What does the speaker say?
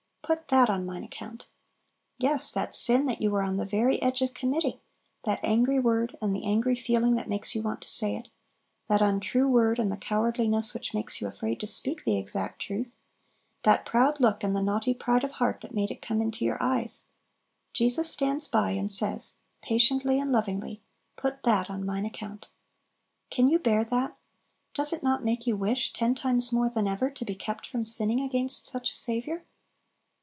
"Put that on mine account!" Yes, that sin that you were on the very edge of committing! that angry word, and the angry feeling that makes you want to say it; that untrue word, and the cowardliness which makes you afraid to speak the exact truth; that proud look and the naughty pride of heart that made it come into your eyes; Jesus stands by and says, patiently and lovingly, "Put that on mine account!" Can you bear that? does it not make you wish, ten times more than ever, to be kept from sinning against such a Saviour?